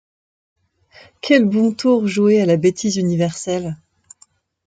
Quel bon tour joué à la bêtise universelle!